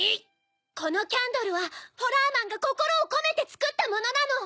このキャンドルはホラーマンがこころをこめてつくったものなの。